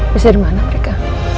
bisa dari mana mereka